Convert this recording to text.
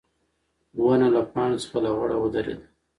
ونه له پاڼو څخه لغړه ودرېده.